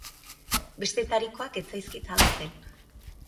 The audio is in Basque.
Bestetarikoak ez zaizkit ahazten